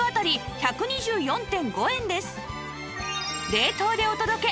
冷凍でお届け！